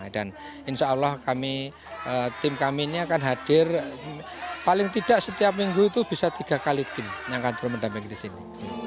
dan insya allah kami tim kami ini akan hadir paling tidak setiap minggu itu bisa tiga kali tim yang akan terdamping di sini